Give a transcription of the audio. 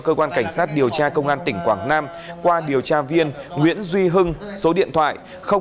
cơ quan cảnh sát điều tra công an tỉnh quảng nam qua điều tra viên nguyễn duy hưng số điện thoại